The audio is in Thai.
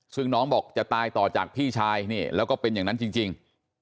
ซึ่งน้องบอกจะตายต่อจากพี่ชายนี่แล้วก็เป็นอย่างนั้นจริง